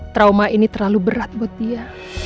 trauma ini terlalu berat buat dia